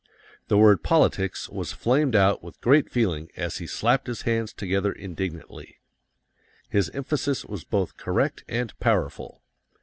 The word politics was flamed out with great feeling as he slapped his hands together indignantly. His emphasis was both correct and powerful.